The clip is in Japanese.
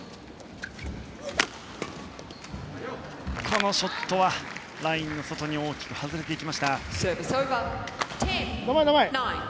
このショットはラインの外に大きく外れました。